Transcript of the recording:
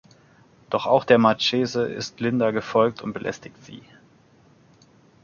Doch auch der Marchese ist Linda gefolgt und belästigt sie.